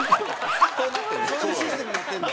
そういうシステムになってるんだ。